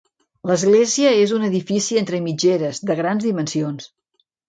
L'església és un edifici entre mitgeres, de grans dimensions.